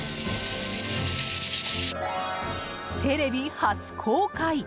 テレビ初公開！